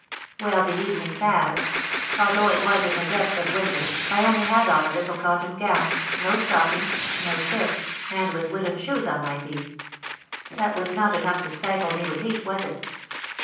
"Well, the evening passed. Although it was in the depth of winter, I only had on a little cotton gown, no stockings, no shift, and with wooden shoes on my feet: that was not enough to stifle me with heat, was it?